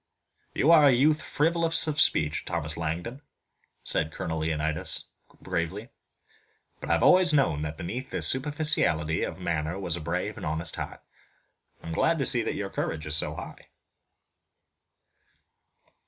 "You are a youth frivolous of speech, Thomas Langdon," said Colonel Leonidas Talbot gravely, "but I have always known that beneath this superficiality of manner was a brave and honest heart. I'm glad to see that your courage is so high."